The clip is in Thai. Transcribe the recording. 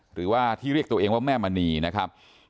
หรือว่าที่เรียกตัวเองว่าแม่มณีนะครับ